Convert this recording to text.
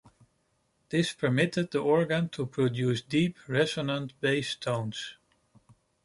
This permitted the organ to produce deep, resonant bass tones.